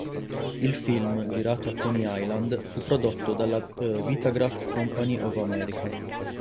Il film, girato a Coney Island, fu prodotto dalla Vitagraph Company of America.